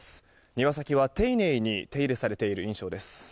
庭先は丁寧に手入れされている印象です。